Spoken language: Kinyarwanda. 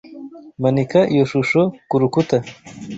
Manika iyo shusho kurukuta.